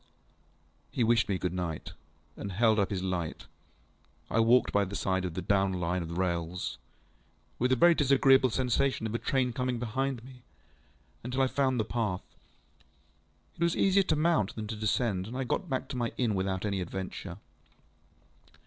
ŌĆØ He wished me good night, and held up his light. I walked by the side of the down Line of rails (with a very disagreeable sensation of a train coming behind me) until I found the path. It was easier to mount than to descend, and I got back to my inn without any adventure.